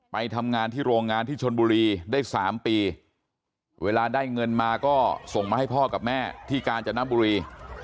ไปทำงานที่โรงงานที่ชนบุรีได้๓ปีเวลาได้เงินมาก็ส่งมาให้พ่อกับแม่ที่กาญจนบุรี